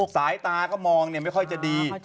สายตาก็มองไม่ค่อยจะดี